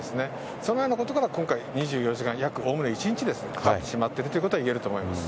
そのようなことから、２４時間、約おおむね一日、かかってしまっているということがいえると思います。